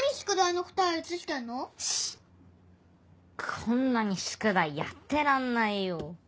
こんなに宿題やってらんないよ。